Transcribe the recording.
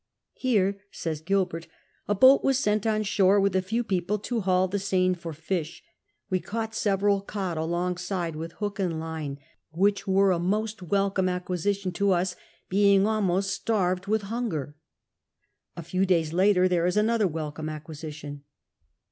" Hero," says Gilbert, " a boat was sent on shore with a few people to haul the seine for fish. We caught several cod alongside with hook and line, which X NORTffWAUDS 137 were a most welcome acquisition to us, being almost starved with hunger." A few days later there is another welcome acquisition.